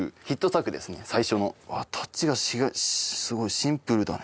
うわタッチがすごいシンプルだね。